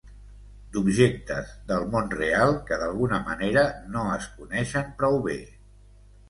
d'objectes del món real, que d'alguna manera no es coneixen prou bé.